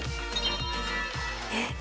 えっ！